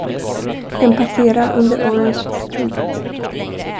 Den passerar under Orange Street.